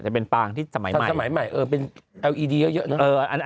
จะเป็นปางที่สมัยใหม่สมัยใหม่เออเป็นเอลอีดีเยอะเยอะเนอะเออ